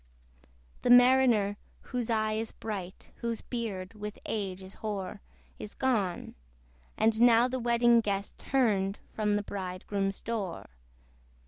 The Mariner, whose eye is bright, Whose beard with age is hoar, Is gone: and now the Wedding Guest Turned from the bridegroom's door.